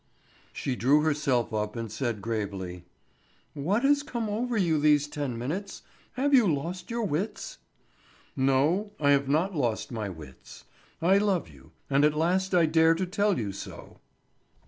She drew herself up and said gravely: "What has come over you these ten minutes; have you lost your wits?" "No, I have not lost my wits. I love you, and at last I dare to tell you so."